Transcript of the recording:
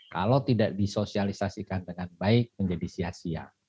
kalau tidak disosialisasikan dengan baik menjadi sia sia